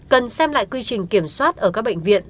cần xem lại quy trình kiểm soát ở các bệnh viện